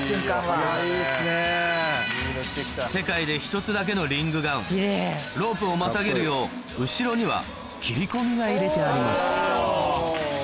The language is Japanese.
世界で１つだけのリングガウンロープをまたげるよう後ろには切り込みが入れてあります